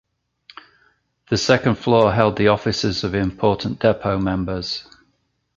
The second floor held the offices of important depot members.